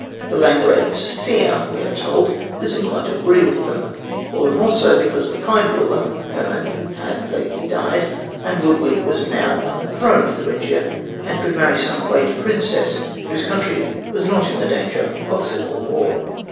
The Landgravine Sophia, we are told, was inclined to agree with them all the more so because the kind ruler, Herman, had lately died and Ludwig was now on the throne of Thuringia, and could marry some great princess whose country was not in the danger of civil war.